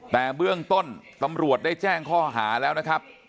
แต่เบื้องต้นตำรวจได้แจ้งข้อหาแล้วนะครับ